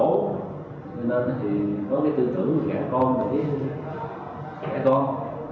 nên đó thì có cái tư tưởng là trẻ con để trẻ con